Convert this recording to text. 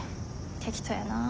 適当やなぁ。